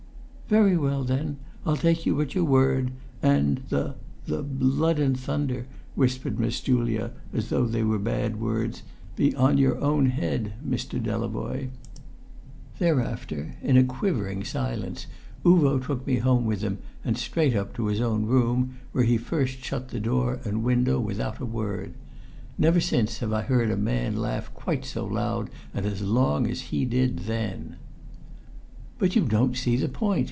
"Very well, then! I'll take you at your word, and the the blood and thunder," whispered Miss Julia, as though they were bad words, "be on your own head, Mr. Delavoye!" Thereafter, in a quivering silence, Uvo took me home with him, and straight up into his own room, where he first shut door and window without a word. Never since have I heard man laugh quite so loud and long as he did then. "But you don't see the point!"